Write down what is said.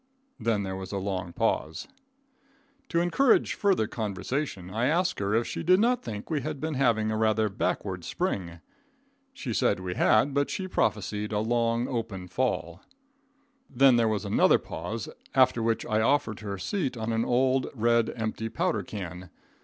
Then there was a long pause. To encourage further conversation I asked her if she did not think we had been having a rather backward spring. She said we had, but she prophesied a long, open fall. Then there was another pause, after which I offered her a seat on an old red empty powder can.